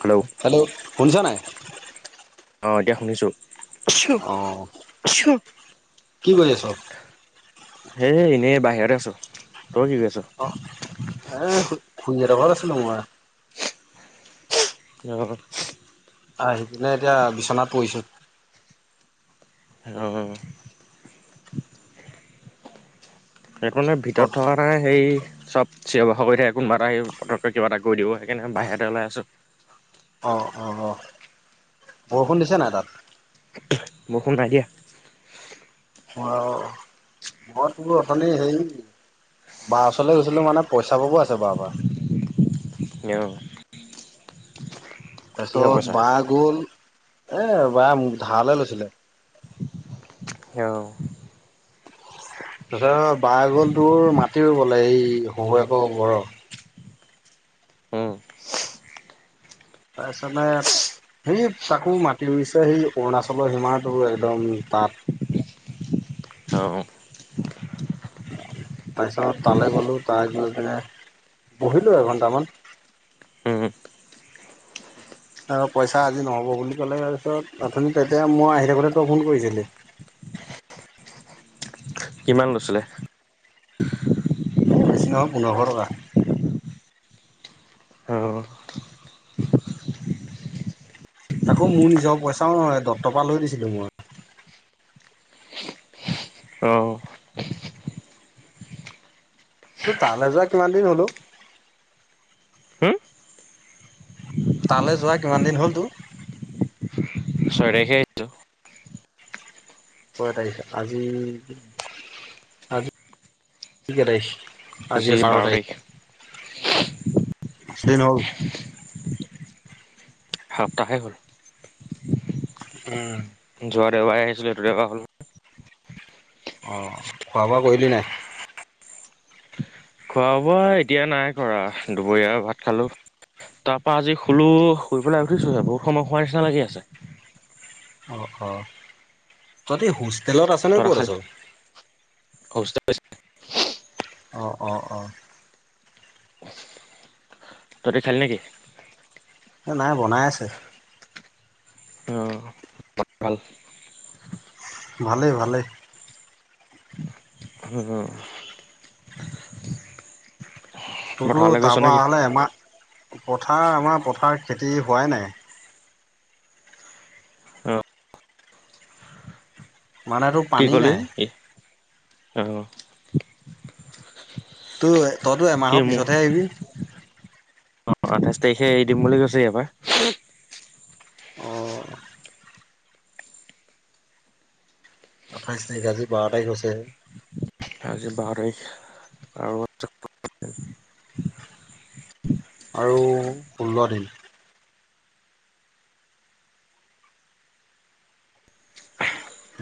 Hello hello শুনিছ নাই অঁহ এতিয়া শুনিছোঁ অহ কি কৰি আছ সেই এনেই বাহিৰৰে আছোঁ তই কি কৰি আছ এহ খুড়ীৰ হেতৰ ঘৰত আছিলো মই কিয় আহি পিনে এতিয়া বিছনাত পৰিছো। অ অ। সেইকাৰণে অ ভিতৰত থকা নাৰ সেই সব চিঞৰ বাখৰ কৰি থাকে, কোনোবা এটা সেই পতককে কিবা এটা কৰি দিব, সেইকাৰণে বাহিৰতে ওলাই আছোঁ। অঁ অঁ অঁ বৰষুণ দিছে নাই তাত? বৰষুন নাই দিয়া। অঁ ঘৰত বোলো অথোনি হেৰি বা ওচৰলে গৈছিলো মানে পইচা পাবও আছে বাৰ পৰা। [unintelligible] কিহৰ তাৰপিছত পইচা বা গ'ল এই বাই মোক ধাৰলে লৈছিলে। অ। তাৰপিছত বাই গল তোৰ মাটি ৰোবলে এই সহুৱেকৰ ঘৰৰ। উম তাৰপিছতে সেই তাকো মাটি ৰুইছে সেই অৰুণাচলৰ সীমাটো একদম তাত। অ তাৰপিছত তালে গ'লো তাৰ গৈ পেলাই বহিলো এঘন্টামান। উম আৰু পইচা আজি নহ'ব বুলি ক'লে তাৰপিছত অথুনি তই তেতিয়া মই আহি থাকোতে তই ফোন কৰিছিলি। কিমান লৈছিলে? এ বেছি নহয় পোন্ধৰশ টকা। অ। তাকো মোৰ নিজৰ পইচাও নহয়, দত্ত পৰা লৈ দিছিলো মই। অঁ। তোৰ তালে যোৱা কিমান দিন হ'ল ঔ? হুম তালে যোৱা কিমান দিন হ'ল তোৰ? ছয় তাৰিখে আহিছোঁ। ছয় তাৰিখে আজি কে তাৰিখ? আজি বাৰ তাৰিখ। দিন হল। সপ্তাহে হ'ল। উম। যোৱা দেওবাৰে আহিছিলো এইটো দেওবাৰ হ'ল। অঁ খোৱা বোৱা কৰিলি নাই? খোৱা বোৱা এতিয়া নাই কৰা, দুপৰীয়া ভাত খালোঁ। তাৰপৰা আজি শুলো শুই পেলাই উঠিছোঁ হে, বহুত সময় হোৱাৰ নিচিনা লাগি আছে। অ অ, তহঁতি হোষ্টেলত আছ নে তহঁতৰ ক'ত আছ? খালি [unintelligible] অঁ অঁ অঁ। তহঁতি খালি নেকি? নাই বনাই আছে। অঁ। ভালেই ভালেই। [unintelligible] তোৰতো পথাৰলৈ তাৰ গৈছ পৰা নেকি হলে এমাহ, পথাৰ আমাৰ পথাৰ খেতি হোৱাই নাই। অ মানে তোৰ কি পানী কলি? নাই অঁ। তো তইতো কি এমাহৰ মোৰ পিছতহে আহিবি। অ আঠাইছ তাৰিখে এৰি দিম বুলি কৈছে এইবাৰ। অ আঠাইছ তাৰিখ আজি বাৰ তাৰিখ হৈছেহে। আজি বাৰ তাৰিখ আৰু [unintelligible] আৰু ষোল্ল দিন।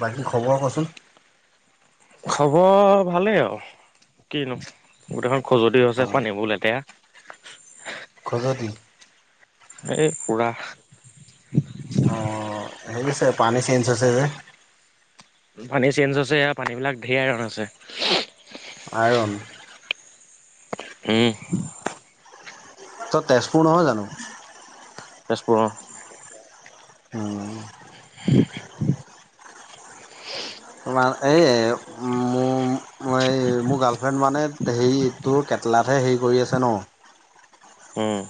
বাকী খবৰ কচোন। খবৰ ভালেই আৰু কিনো, গোটেইখন খজুৱতি হৈছে অ আছে পানীবোৰ লেতেৰা। খজতি? এই পুৰা অ হেৰি আছে পানী চেঞ্জ হৈছে যে। পানী চেঞ্জ হৈছে ইয়াৰ পানী বিলাক ধেৰ আইৰণ আছে। আইৰণ উম। তই তেজপুৰ নহয় জানো? তেজপুৰ অ। অহ। [unintelligible] তোমাৰ এই মোৰ মই এই মোৰ গাৰ্লফ্ৰেণ্ড মানে হেৰিটো কেটলাতহে হেৰি কৰি আছে ন, হম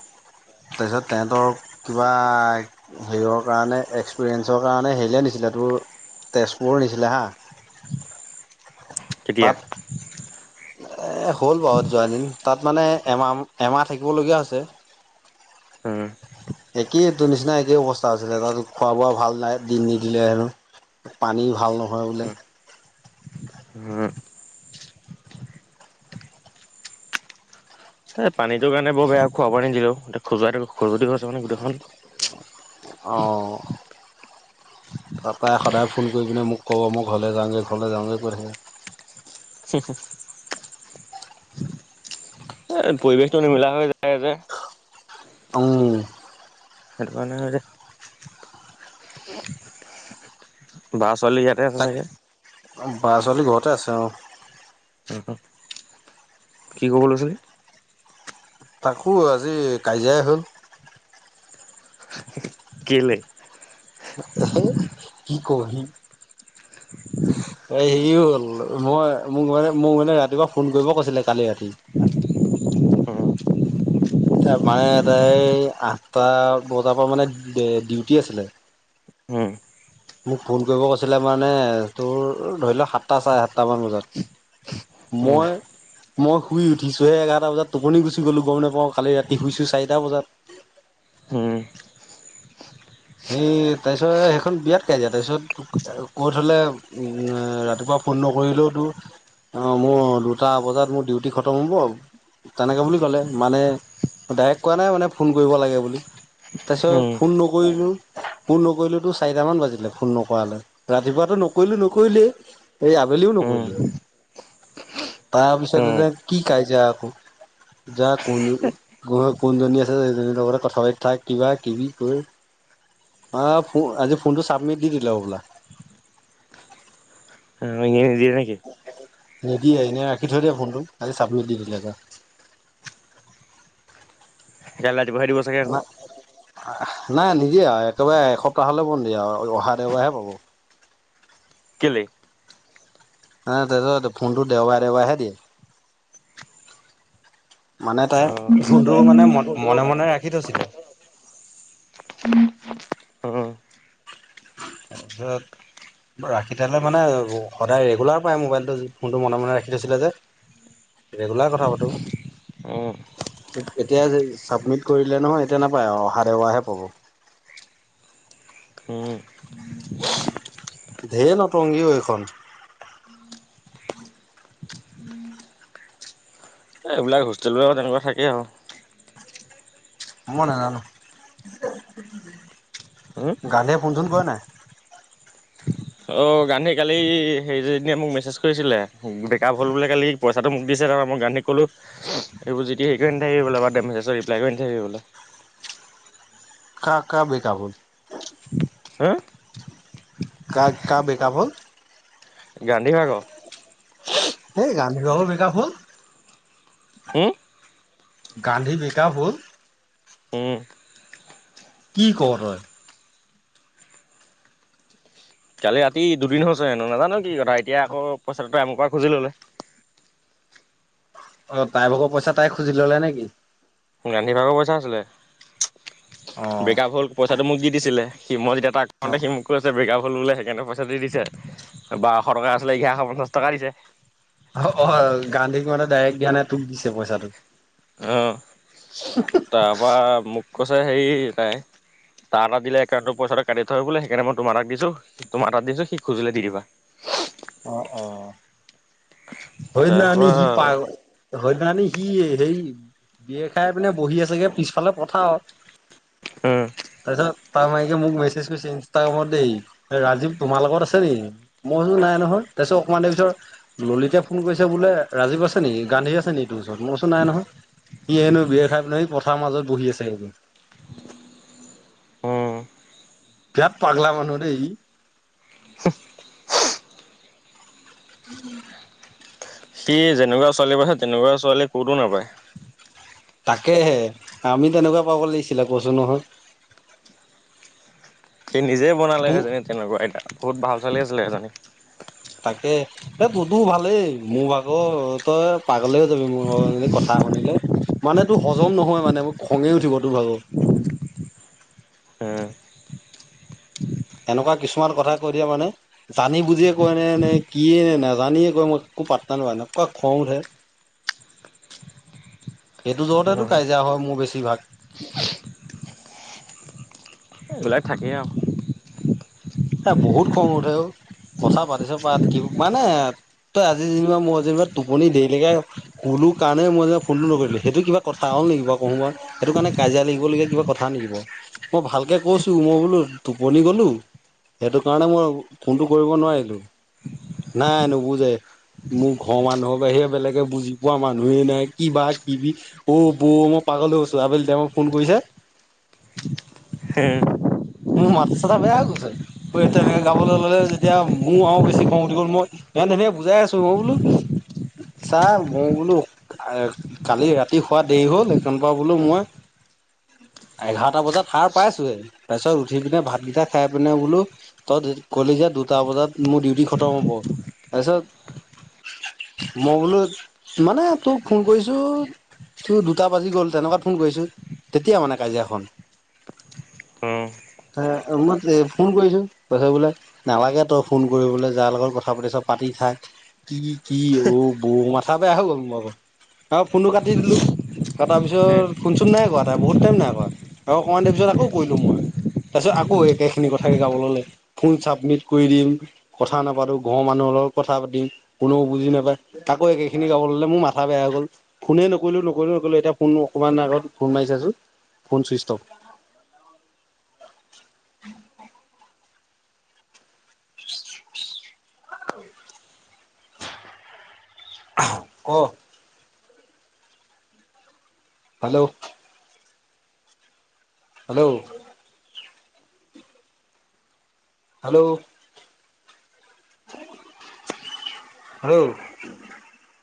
তাৰপিছত তেহেঁতৰক কিবা হেৰিয়ৰ কাৰণে এক্সপিৰিয়েঞ্চৰ কাৰণে হেৰিয়ে নিছিলে তোৰ তেজপুৰ নিছিলে হা, [unintelligible] তাত হ'ল বাৰু যোৱা দিন, তাত মানে এমাহ এমাহ থাকিবলগীয়া হৈছে। উম। একেই তোৰ নিচিনা একেই অৱস্থা আছিলে, তাত খোৱা-বোৱা ভাল নাই দিন নিদিলে হেনো। পানী ভাল নহয় বোলে। হম। এই পানীটো কাৰে বৰ বেয়া, খোৱা পানী নিদিলেও খজুৱ খজতি গৈছে মানে গোটেইখন। অ। তৰপা সদায় ফোন কৰি পিনে মোক ক'ব মই ঘৰলৈ যাওঁগৈ, ঘৰলৈ যাওঁগৈ কৈ থাকে। হু হু এ পৰিৱেশটো নিমিলা হৈ যায় যে। উম। সেইটো কাৰণে বা চলি ইয়াত তাক বা ছোৱালী ঘৰতে আছে অ। উ কি ক'ব লৈছিলি? তাকো আজি কাজিয়াই হ'ল, কেলে? এহে কি কওহি [unintelligible] এই হেৰি হ'ল, মই মোক, মানে মোক মানে ৰাতিপুৱা ফোন কৰিব কৈছিলে কালি ৰাতি, মানে তাই এই আঠটা বজা পা মানে ডিউটি আছিলে। উম মোক ফোন কৰিব কৈছিলে মানে তোৰ ধৰি লওক সাতটা চাৰে সাতটামান বজাত। উম মই- মই শুই উঠিছোহে এঘাটা বজাত টোপনি গুচি গলো গম নাপাওঁ কালি ৰাতি শুইছো চাৰিটা বজাত। উম' এই তাপিছত সেইখন বিয়াত কাজিয়া তাপিছত- কৈ হ'লে ৰাতিপুৱা ফোন নকৰিলেওতো- অঁ মোৰ দুটা বজাত মোৰ ডিউটি খতম হ'ব- তেনেকে বুলি ক'লে মানে ডাইৰেক্ট কোৱা নাই মানে ফোন কৰিব লাগে বুলি। তাপিছত উম ফোন নকৰিলোঁ। ফোন নকৰিলো তো চাৰিটামান বাজিলে ফোন নকৰালে ৰাতিপুৱাটো নকৰিলো নকৰোলোৱেই। এই আবেলিও উম নকৰিলো তাপিছতে উম এতিয়া কি কাই যিয়া আকৌ। যাক কোন কোনজনী আছে যে সেইজনীৰ লগতে কথা পাতি থাক কিবা কিবি কৈ- তা আজি ফোনটো চাবমিট দি দিলে হবলা। মাইকীয়ে নিদিয়ে নেকি। নিদিয়ে এনেই ৰাখি থৈ দিয়ে ফোনটো আজি চাবমিত দি দিলে। তেতিয়া হ'লে ৰাতিপুৱাই দিব চাগে আকৌ। নাই নিদিয়ে আও একেবাৰে এসপ্তাহ হলে বন্দী আও অহা দেওবাৰেহে পাব। কেলে? আঁ তেহেঁত ফোনটো দেওবাৰে দেওবাৰে হে দিয়ে। মানে অ তাই ফোনটো উম মানে ম মনে মনে ৰাখি থৈছিলে। তাছত- ৰাখি তেয়াহ'লে মানে সদায় ৰেগুলাৰ পাই মোবাইলটো ফোনটো মনে মনে ৰাখি থৈছিলে যে। ৰেগুলাৰ কথা পাতোঁ। উম এতিয়া যে চাবমিট কৰি দিলে নহয় এতিয়া নাপায় আও অহা দেওবায়েহে পাব। উম' ধেই নতংগীও এইখন। এইবিলাক হোষ্টেলবিলাক তেনেকুৱা থাকে আও। মই নাজানো উম গান্ধীয়ে ফোন চোন কৰে নাই। অ গান্ধী কালি হেৰিজনীয়ে মোক মেছেজ কৰিছিলে ব্ৰেকআপ হল বোলে কালি। পইচাটো মোক দিছে তাৰ মই গান্ধীক ক'লো এইবোৰ যি টি হেৰি কৰি নাথাকিবি বোলো বাদদে মেছেজ ৰিপ্লাই কৰি নাথাকিব বোলো। কা কা ব্ৰেকআপ হল। হা কা কা ব্ৰেকআপ হ'ল। গান্ধী ভাগ। সেই গান্ধীৰ ভাগ ব্ৰেকআপ হল। উম গান্ধী ব্ৰেকআপ হল। উম' কি ক তই। কালি ৰাতি দুদিন হৈছে হেনো নাজানো কি কথা এতিয়া আকৌ পইচাটোটো আমপা খুজি ললে। অ তাই ভাগ পইচা তাই খুজি ললে নেকি। গান্ধীভাগৰ পইচা আছিলে, অ ব্ৰেকআপ হ'ল পইচাটো মোক দি দিছিলে সি মই যেতিয়া তাক- অ সন্দেহ সি মোক- কৈছে ব্ৰেকআপ হল বোলে সেইকাৰণে পইচাটো দি দিছে বাৰশ টকা আছিলে এঘাৰশ পঞ্চাশ টকা দিছে। অ অ গান্ধীক মানে ডাইৰেক্ট দিয়ানাই তোক দিছে পইচাটো। অঁ তাৰপৰা মোক কৈছে হেৰি তাই- তাৰ তাত দিলে কাউটৰ পইচাটো কাতি থয় বোলে সেইকাৰণে মই তোমাৰ তাত দিছো তোম তাত দিছো সি খোজিলে দি দিবা। অ অ, হয় নানি তাৰপা সি পা হয় নানি সি সেই, বিয় খাই পিনে বহি আছেগে পিছফালে পথাৰত। উম, তাৰপিছত তাৰ মাইকে মোক মেছেজ কৰিছে ইনষ্টাগ্ৰামত দেই ৰাজীৱ তোমাৰ লগত আছে নেকি। মই বোলো নাই নহয় তাৰপিছত অকণমান দে পিছৰ ললিতে ফোন কৰিছে বোলে ৰাজীৱ আছে নেকি গান্ধী আছে নেকি তোৰ ওচৰত মই কৈচো নাই নহয়। সি হেনো বিয়াৰ খাই পিনে সি পথাৰ মাজত বহি আছে সি, উম বিৰা ত পাগলা মানুহ দেই ই, [unintelligible] সি যেনেকুৱা ছোৱালী পাইছে তেনেকুৱা ছোৱালী ক'তো নাপায়। তাকেহে আমি তেনেকুৱা পাব লাগিছিলে কৈছো নহয়। সি নিজে বনালে তোৰ সেইজনী তেনেকুৱা এতিয়া বহুত ভাল ছোৱালী আছিলে সেইজনী। তাকে। এ তোৰতো ভালেই মোৰ ভাগত তই পাগলেই হৈ যাবি মোৰ ভাগ জনী কথা শুনিলে। মানেতো হজম নহয় মানে মোক খঙে উঠিবতোৰ ভাগ। উম, এনেকুৱা কিছুমান কথা কৈ দিয়ে মানে। জানি বুজিয়ে কয় নে নে কিয়ে নে নোজানিয়ে কয় মই একো পাত্তা নাপাও এনেকুৱা খং উঠে, [inaudible] সেইটো জ্বতেতো কাজিয়া হয় মোৰ বেছিভাগ। এইবিলাক থাকেই আৰু এ বহুত খং উঠে অ কথা পাতিছ পাত কি মানে, তই আজি যেনিবা মই যেনিবা টোপনি দেৰিলেকে, ক'লো কাৰণে মই যে ফোনটো নকৰিলো সেইটো কিবা কথা হ'ল নেকি বাও, সেইটো কাৰণে কাজিয়া লাগিবলগীয়া কিবা কথা নকিব মই ভালকে কৈছো মই বোলো টোপনি গলো। সেইটো কাৰণে মই ফোনটো কৰিব নোৱাৰিলো নাই নুবুজে। মোৰ ঘৰৰ মানুহৰ বাহিৰে বেলেগে বুজি পোৱা মানুহেই নাই কিবা কিবি। অ বৌ মই পাগল হৈগৈছো আবেলি তাইমত ফোন কৰিছে। হে মোৰ মা চাটা বেয়া হৈ গৈছে তেনেকে গাবলৈ ললে যেতিয়া মোৰ আৰু বেছি খং উঠি গ'ল মই, ইমান ধুনীয়া কে বুজাই আছো মই বোলো চা মই বোলো। কালি ৰাতি শোৱা দেৰি হ'ল সেইকাৰনে বোলো মই, এঘাৰটা বজাত সাৰ পাইছোহে তাৰ পিছত উঠি পিনে ভাতকেইটা খাই পিনে বোলো। তই কলিযে দুটা বজাত মোৰ ডিউটি খতম হ'ব তাৰপিছত, মই বোলো মানে তোক ফোন কৰিছো, দুটা বাজি গ'ল তেনেকুৱাত ফোন কৰিছো তেতিয়া মানে কাজিয়াখন। উম, মই ফোন কৰিছোঁ কৈছে বোলে। নালাগে তই ফোন কৰিবলৈ যাৰ লগত কথা পাতি আছ পাতি থাক। কি কি অ বৌ মাথা বেয়া হৈ গ'ল মোভাগ তাপা ফোনটো কাটি দিলো। তাৰ উম। পিছত ফোন চোন নাই কোৱা তাই বহুত টাইম নাই কৰা আকৌ অকণমান দেৰি তাৰ পিছত আকৌ কৰিলো মই। তাৰপিছত আকৌ একেখিনি কথাকে গাব ললে ফোন চাবমিট কৰি দিম। কথা নাপাতো ঘৰৰ মানুহৰ লগত কথা পাতিম কোনেও বুজি নাপায়। আকৌ একেখিনি গাব ল'লে মোৰ মাথা বেয়া হৈ গ'ল। ফোনে নকৰিলো, নকৰিলো, নকৰিলো, এতিয়া ফোন অকমান আগত ফোন মাৰিছে আজি, ফোন চুইচত অফ। [inaudible] [inaudible] ক। হেল্ল'। হেল্ল'। Hello, hello.